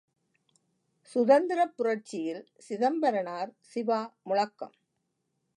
சுதந்திரப் புரட்சியில் சிதம்பரனார், சிவா முழக்கம்!